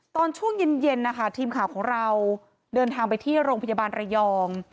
ตอนช่วงเย็นนะคะทีมข่าวของเราเดินทางไปที่โรงพยาบาลระยอง